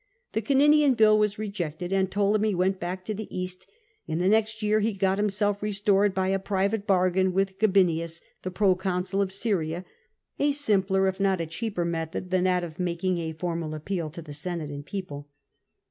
The Caninian bill was rejected, and Ptolemy went back to the East ; in the next year he got himself restored by a private bargain with Gabinius, the proconsul of Syria — a simpler if not a cheaper method than that of making a formal appeal to the Senate and People.